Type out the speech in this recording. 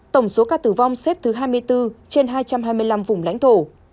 tổng số ca tử vong xếp thứ hai mươi bốn trên hai trăm hai mươi năm vùng lãnh thổ